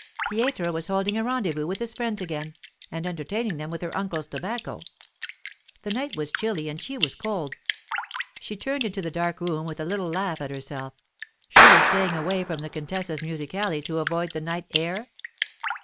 Pietro was holding a rendezvous with his friends again, and entertaining them with her uncle's tobacco. The night was chilly and she was cold. She turned into the dark room with a little laugh at herself: she was staying away from the contessa's musicale to avoid the night air?